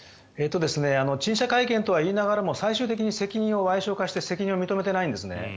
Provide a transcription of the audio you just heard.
陳謝会見とは言いながらも最終的に責任をわい小化して責任を認めていないんですね。